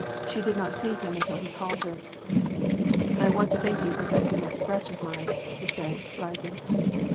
She did not see him until he called her. I want to thank you for dressing that scratch of mine,'* he said, rising.